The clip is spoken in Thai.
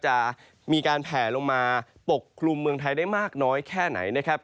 จะมีการแผลลงมาปกคลุมเมืองไทยได้มากน้อยแค่ไหนนะครับ